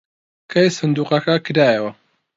کەی سندووقەکە کرایەوە؟